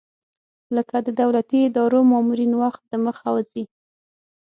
لکه د دولتي ادارو مامورین وخت دمخه وځي.